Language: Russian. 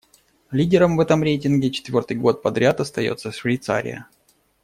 Лидером в этом рейтинге четвёртый год подряд остаётся Швейцария.